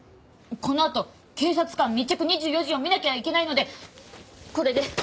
このあと『警察官密着２４時』を見なきゃいけないのでこれで。